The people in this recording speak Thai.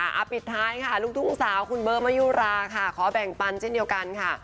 อัปดิษฐายลูกดุ้งสาวคุณเบอร์มายุราค่ะขอแบ่งปันเจ้าเดียวกันค่ะ